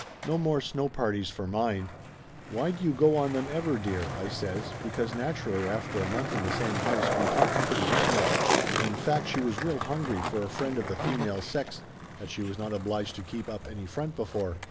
No more snow parties for mine !" "Why do you go on them ever, dear?" I says, be cause naturally after a month in the same house we talked pretty intimate, and in fact she was real hungry for a friend of the female sex that she was not obliged to keep up any front before.